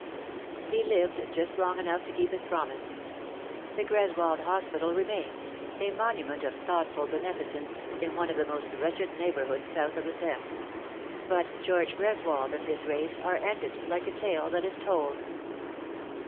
He lived just long enough to keep his promise. The Greswold Hospital remains, a monument of thoughtful beneficence, in one of the most wretched neighbourhoods south of the Thames; but George Greswold and his race are ended like a tale that is told.